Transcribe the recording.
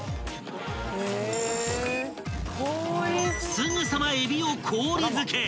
［すぐさまえびを氷漬け］